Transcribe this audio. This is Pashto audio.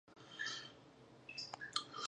هغه به په خپل ځای کې بکس ایښی وي.